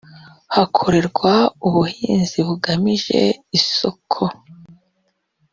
hakorerwa ubuhinzi bugamije isoko